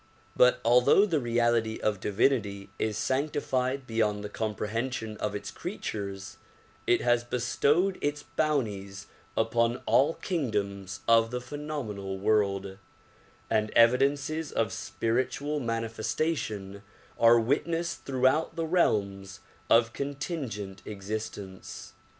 But although the reality of divinity is sanctified beyond the com prehension of its creatures, it has bestowed its bounties upon all kingdoms of the phenomenal world, and evidences of spiritual manifestation are witnessed throughout the realms of contingent existence.